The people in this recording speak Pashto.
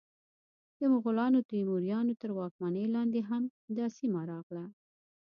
د مغولانو، تیموریانو تر واکمنۍ لاندې هم دا سیمه راغله.